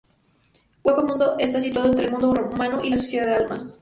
Hueco Mundo está situado entre el mundo humano y la Sociedad de Almas.